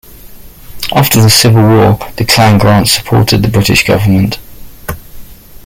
After the Civil War the Clan Grant supported the British government.